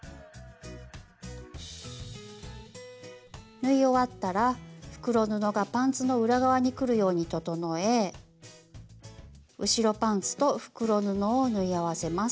縫い終わったら袋布がパンツの裏側にくるように整え後ろパンツと袋布を縫い合わせます。